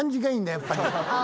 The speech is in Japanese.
やっぱり。